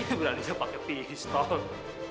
ini berani saya pakai pistol